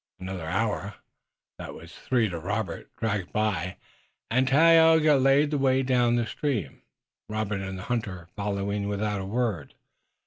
Another hour, that was three to Robert, dragged by, and Tayoga led the way again down the stream, Robert and the hunter following without a word.